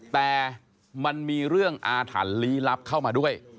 แต่มันมีเรื่องอาถรรพ์ลี้ลับเข้ามาด้วย